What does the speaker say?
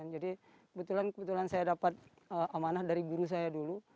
jadi kebetulan saya dapat amanah dari guru saya dulu